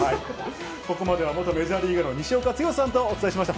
ここまでは、元メジャーリーガーの西岡剛さんとお伝えしました。